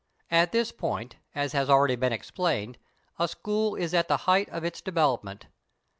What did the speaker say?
At this point, as has already been explained, a school is at the height of its development.